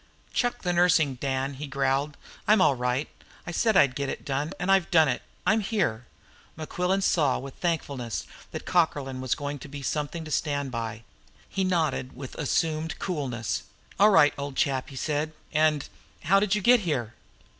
"Chuck the nursing, Dan," he growled. "I'm all right. I said I'd get it done, and I've done it. I'm here!" Mequillen saw with thankfulness that Cockerlyne was going to be something to stand by. He nodded with assumed coolness. "All right, old chap," he said. "And how did you get here?"